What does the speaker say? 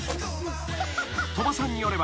［鳥羽さんによれば］